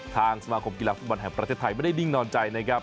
สมาคมกีฬาฟุตบอลแห่งประเทศไทยไม่ได้นิ่งนอนใจนะครับ